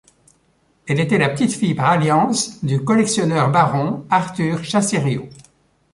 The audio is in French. Elle était la petite-fille par alliance du collectionneur baron Arthur Chassériau.